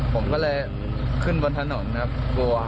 ผมก็เลยขึ้นบนถนนครับกลัว